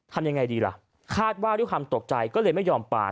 ทำยังไงดีล่ะคาดว่าด้วยความตกใจก็เลยไม่ยอมไป